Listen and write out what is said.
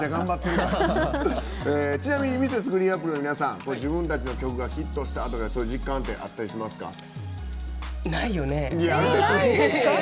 ちなみにＭｒｓ．ＧＲＥＥＮＡＰＰＬＥの皆さん自分たちの曲がヒットしたとかそういう実感ってないよね。